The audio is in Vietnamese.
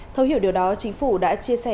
thấu hiểu điều đó chính phủ đã chia sẻ